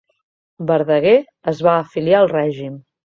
Verdaguer es va afiliar al règim